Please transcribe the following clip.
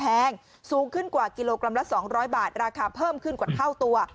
สูงขึ้นกว่ากิโลกรัมละ๒๐๐บาทราคาเพิ่มขึ้นกว่าเท่าตัว